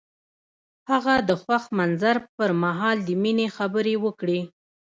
هغه د خوښ منظر پر مهال د مینې خبرې وکړې.